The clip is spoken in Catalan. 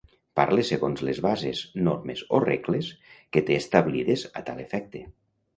Parle segons les bases, normes o regles que té establides a tal efecte.